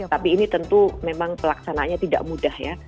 tapi ini tentu memang pelaksananya tidak mudah ya